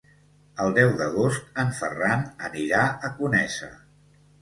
El deu d'agost en Ferran anirà a Conesa.